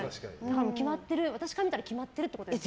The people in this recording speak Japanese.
私から見たら決まってるってことですね。